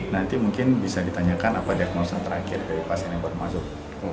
nanti mungkin bisa ditanyakan apa diagnosa terakhir dari pasien yang baru masuk